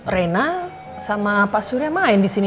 rena sama pak surya main disini